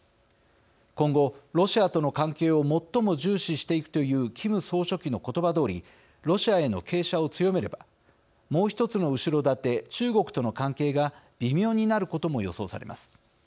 「今後ロシアとの関係を最も重視していく」というキム総書記の言葉どおりロシアへの傾斜を強めればもう一つの後ろ盾中国との関係が微妙になることも予想されます。